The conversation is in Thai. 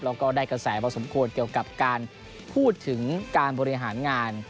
แล้วก็ได้กระแสพอสมควรเกี่ยวกับการพูดถึงการบริหารงาน